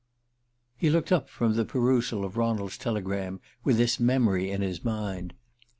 He looked up from the perusal of Ronald's telegram with this memory in his mind.